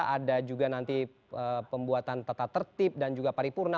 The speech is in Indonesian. ada juga nanti pembuatan tata tertib dan juga paripurna